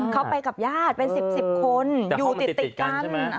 เขาไปกับญาติเป็น๑๐๑๐คนอยู่ติดกัน